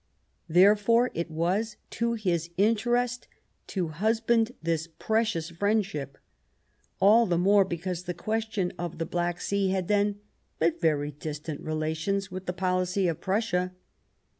Therefore it was to his interest to husband this precious friend ship ; all the more because the question of the Black Sea had then but very distant relations with the policy of Prussia.